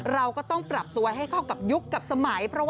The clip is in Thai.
เราก็ต้องปรับตัวให้เข้ากับยุคกับสมัย